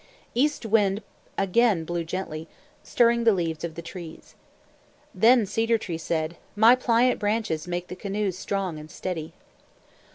East Wind again blew gently, stirring the leaves of the trees. Then Cedar Tree said, "My pliant branches make the canoes strong and steady."